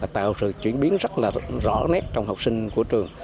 tạo sự chuyển biến rất là rõ nét trong học sinh của trường